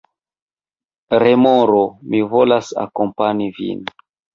Remoro: "Mi volas akompani vin."